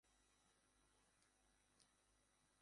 এই স্টেশনটি কবি সুভাষ মুখোপাধ্যায়ের নামাঙ্কিত।